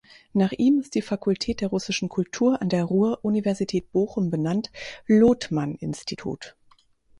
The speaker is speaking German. Nach ihm ist die Fakultät der Russischen Kultur an der Ruhr-Universität Bochum benannt, Lotman-Institut.